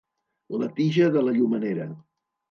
La tija de la llumenera.